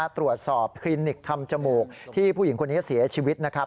คลินิกทำจมูกที่ผู้หญิงคนนี้เสียชีวิตนะครับ